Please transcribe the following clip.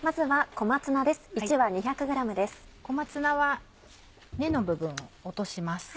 小松菜は根の部分を落とします。